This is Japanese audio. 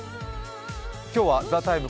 今日は「ＴＨＥＴＩＭＥ，」